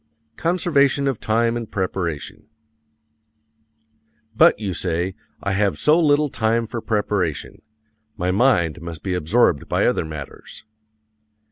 Conservation of Time in Preparation But, you say, I have so little time for preparation my mind must be absorbed by other matters.